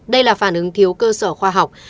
đây là phản ứng thiếu cơ sở khoa học